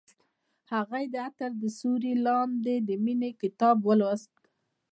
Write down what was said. هغې د عطر تر سیوري لاندې د مینې کتاب ولوست.